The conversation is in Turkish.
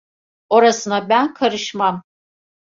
Orasına ben karışmam!